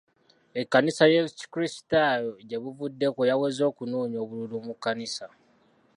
Ekkanisa y'ekrisitaayo gye buvuddeko yaweze okunoonya obululu mu kkanisa.